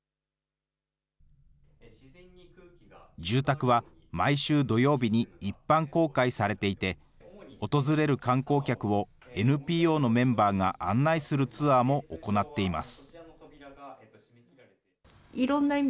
住宅は毎週土曜日に一般公開されていて、訪れる観光客を、ＮＰＯのメンバーが案内するツアーも行っています。